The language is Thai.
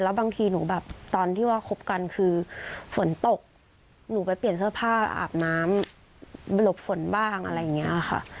บางทีหนูแบบตอนที่ว่าคบกันคือฝนตกหนูไปเปลี่ยนเสื้อผ้าอาบน้ำหลบฝนบ้างอะไรอย่างนี้ค่ะ